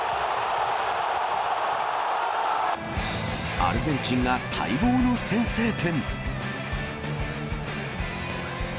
アルゼンチンが待望の先制点。